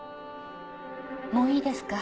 もういいですか？